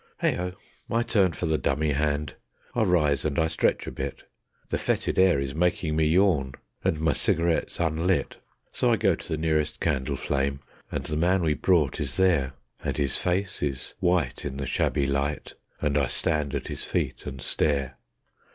Heigh ho! My turn for the dummy hand; I rise and I stretch a bit; The fetid air is making me yawn, and my cigarette's unlit, So I go to the nearest candle flame, and the man we brought is there, And his face is white in the shabby light, and I stand at his feet and stare.